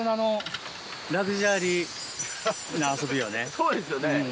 そうですよね。